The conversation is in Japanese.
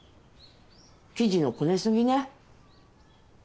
生地のこね過ぎね。